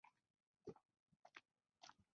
اقتصاد یې د ورځې پر مخ چلېږي.